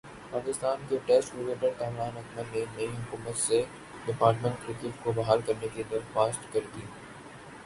پاکستان کے ٹیسٹ کرکٹرکامران اکمل نے نئی حکومت سے ڈپارٹمنٹ کرکٹ کو بحال کرنے کی درخواست کردی۔